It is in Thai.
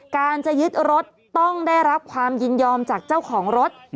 การจะยึดรถต้องได้รับความยินยอมจากเจ้าของรถ